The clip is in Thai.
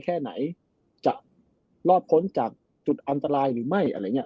ไปไกลแค่ไหนจะรอดพ้นจากจุดอันตรายหรือไม่